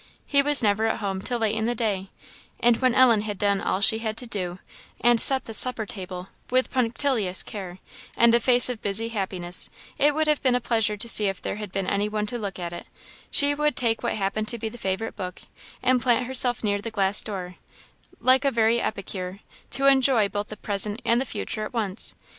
He was never at home till late in the day; and when Ellen had done all she had to do, and set the supper table with punctilious care, and a face of busy happiness it would have been a pleasure to see if there had been any one to look at it, she would take what happened to be the favourite book, and plant herself near the glass door, like a very epicure, to enjoy both the present and the future at once.